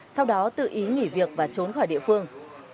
sau đó tự ý nghỉ việc và trốn khỏi địa phương